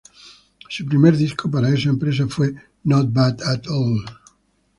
Su primer disco para esa empresa fue Not bad at all.